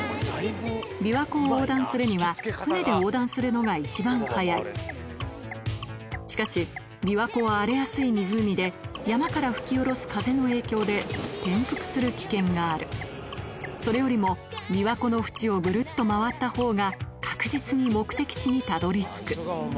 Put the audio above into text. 琵琶湖を横断するには舟で横断するのが一番早いしかし琵琶湖は荒れやすい湖で山から吹き下ろす風の影響で転覆する危険があるそれよりも琵琶湖の縁をぐるっと回った方が確実に目的地にたどり着く